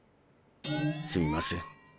すみません。